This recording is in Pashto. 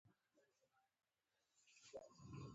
زردالو د افغانستان د جغرافیې بېلګه ده.